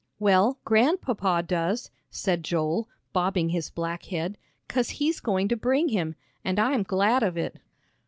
"Well, Grandpapa does," said Joel, bobbing his black head, "'cause he's going to bring him; an' I'm glad of it."